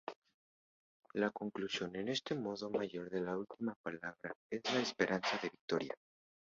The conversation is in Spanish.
La conclusión en modo mayor da la última palabra a la esperanza de victoria.